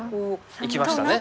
いきましたね。